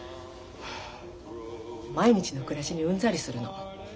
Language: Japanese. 毎日の暮らしにうんざりするの。